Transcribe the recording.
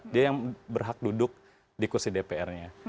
dia yang berhak duduk di kursi dpr nya